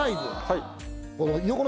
はい。